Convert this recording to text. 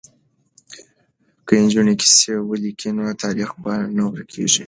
که نجونې کیسې ولیکي نو تاریخ به نه ورکيږي.